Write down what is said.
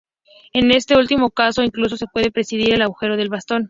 En este último caso, incluso se puede prescindir del agujero del bastón.